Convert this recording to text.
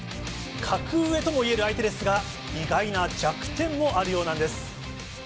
格上ともいえる相手ですが、意外な弱点もあるようなんです。